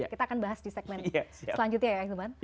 kita akan bahas di segmen selanjutnya ya ahilman